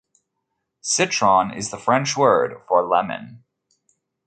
"Citron" is the French word for "lemon".